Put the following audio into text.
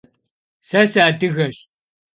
Se sıadıgeş.